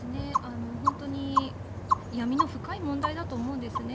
本当に闇の深い問題だと思うんですね。